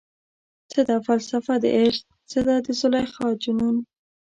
څه ده فلسفه دعشق، څه د زلیخا جنون؟